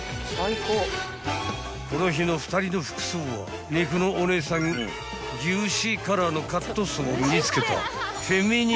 ［この日の２人の服装は肉のお姉さん牛脂カラーのカットソーを身に着けた］